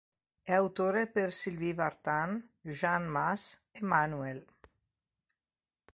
È autore per Sylvie Vartan, Jeanne Mas, Emmanuel.